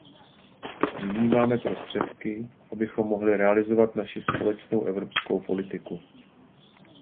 Nyní máme prostředky, abychom mohli realizovat naši společnou evropskou politiku.